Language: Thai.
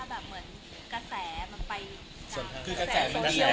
เหมือนกระแสมันไปหลัง